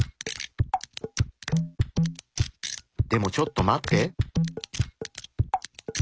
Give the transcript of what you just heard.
でもちょっと待って。